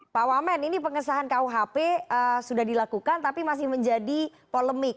pak wamen ini pengesahan kuhp sudah dilakukan tapi masih menjadi polemik